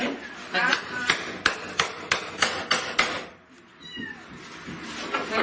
อันดับที่สุดท้ายก็จะเป็น